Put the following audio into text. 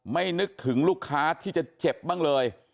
นึกถึงลูกค้าที่จะเจ็บบ้างเลย